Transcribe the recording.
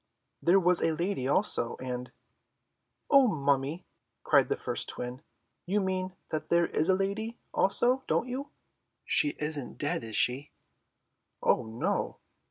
"There was a lady also, and—" "Oh, mummy," cried the first twin, "you mean that there is a lady also, don't you? She is not dead, is she?" "Oh, no."